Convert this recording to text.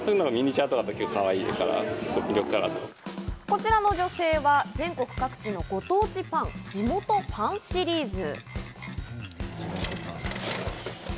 こちらの女性は全国各地のご当地パン、地元パンシリーズ。